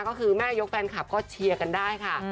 ก็คือแม่ยกแฟนคลับก็เชียร์กันได้ค่ะ